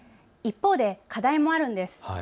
一方で課題もあるんです。